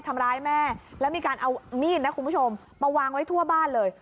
ทำร้ายแม่แล้วมีการเอามีดนะคุณผู้ชมมาวางไว้ทั่วบ้านเลย